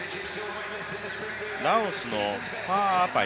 ラウスのパーアパイ。